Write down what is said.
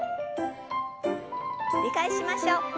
繰り返しましょう。